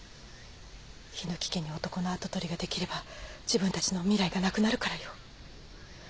檜家に男の跡取りができれば自分たちの未来がなくなるからよ。